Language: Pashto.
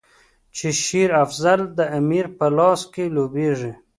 چې شېر افضل د امیر په لاس کې لوبیږي.